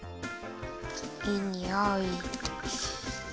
いいにおい。